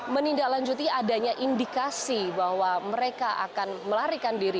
menda lanjuti adanya indikasi bahwa mereka akan melarikan diri